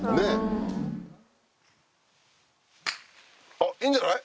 あっいいんじゃない！